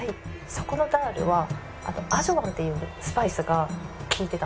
そこのダールはアジョワンっていうスパイスが利いてたんです。